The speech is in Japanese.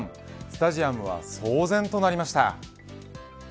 スタジアムは騒然となりました。